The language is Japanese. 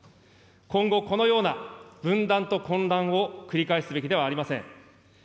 今後、このような分断と混乱を繰り返すべきではありません。